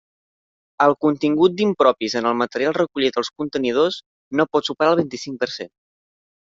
El contingut d'impropis en el material recollit als contenidors, no pot superar el vint-i-cinc per cent.